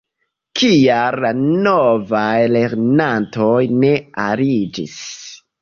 Kial la novaj lernantoj ne aliĝis?